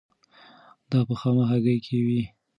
دا په خامه هګۍ کې وي.